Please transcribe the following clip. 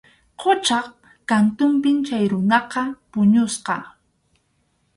Quchap kantunpi chay runaqa puñusqa.